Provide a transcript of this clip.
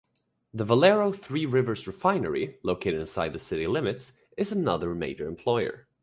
The Valero Three Rivers Refinery located inside the city limits, is another major employer.